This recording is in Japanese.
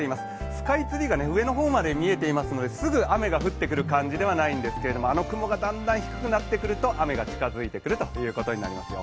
スカイツリーが上の方まで見えていますのですぐ雨が降ってくる感じではないんですけれども、あの雲がだんだん低くなってくると雨が近づいてくるということになりますよ。